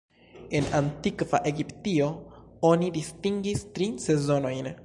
En antikva Egiptio, oni distingis tri sezonojn.